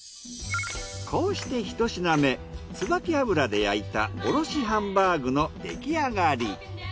こうしてひと品目椿油で焼いたおろしハンバーグの出来上がり。